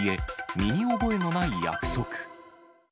身に覚えのない約束。